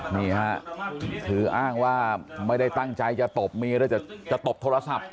นี่ฮะคืออ้างว่าไม่ได้ตั้งใจจะตบเมียแล้วจะตบโทรศัพท์